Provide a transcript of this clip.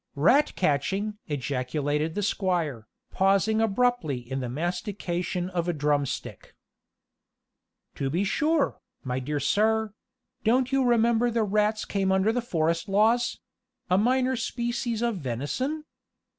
"Rat catching!" ejaculated the squire, pausing abruptly in the mastication of a drumstick. "To be sure, my dear sir; don't you remember the rats came under the forest laws a minor species of venison?